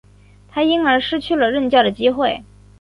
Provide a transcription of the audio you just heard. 他因而失去了任教的机会。